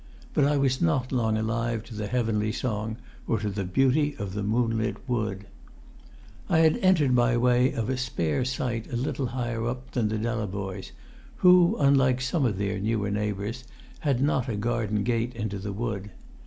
But I was not long alive to the heavenly song, or to the beauty of the moonlit wood. I had entered by way of a spare site a little higher up than the Delavoyes', who, unlike some of their newer neighbours, had not a garden gate into the wood.